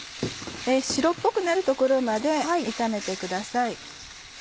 白っぽくなるところまで炒めてください。